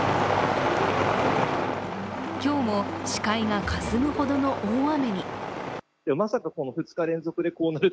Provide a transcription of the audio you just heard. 今日も視界がかすむほどの大雨に。